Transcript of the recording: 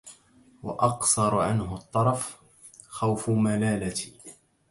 وأقصر عنه الطرف خوف ملالتي